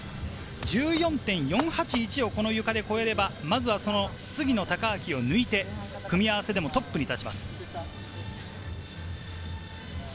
１４．４８１を超えれば、まずは杉野正尭を抜いて組み合わせでもトップに立ちます。